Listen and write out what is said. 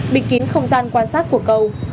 bị kín không gian quan sát của cầu